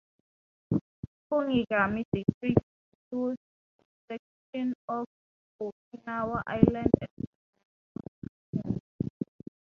Kunigami district includes a section of Okinawa Island and several smaller islands.